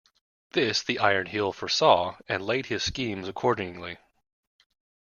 This the Iron Heel foresaw and laid its schemes accordingly.